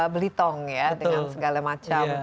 belitong ya dengan segala macam